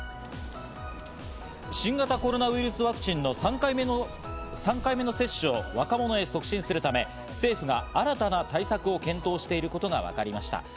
新型コロナウイルスワクチンの３回目の接種を若者へ促進するため政府が新たな対策を検討していることがわかりました。